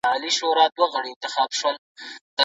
کیدای سي د ماشینونو فرسایش د تولید مخه ونیسي.